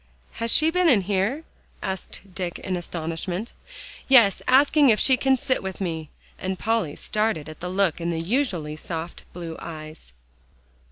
"Has she been in here?" asked Dick in astonishment. "Yes; asking if she can sit with me," and Polly started at the look in the usually soft blue eyes.